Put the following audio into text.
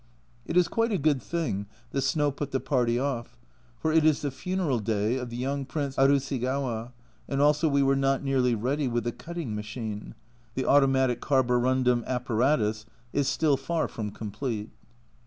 It is quite a good thing the snow put the party off, for it is the funeral day of the young Prince Arusigawa, and also we were not nearly ready with the cutting machine the automatic carborundum apparatus is still far from complete.